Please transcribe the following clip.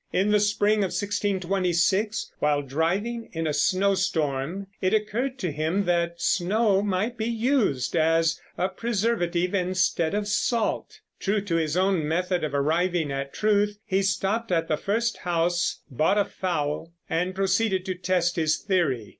In the spring of 1626, while driving in a snowstorm, it occurred to him that snow might be used as a preservative instead of salt. True to his own method of arriving at truth, he stopped at the first house, bought a fowl, and proceeded to test his theory.